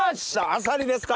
あさりですか。